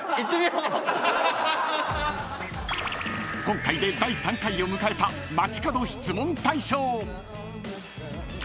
［今回で第３回を迎えた街かど質問大賞］